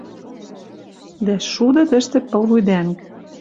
Дӓ шуды тӹштӹ пылвуй дӓнг.